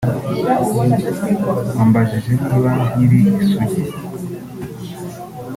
Ambajije niba nkiri isugi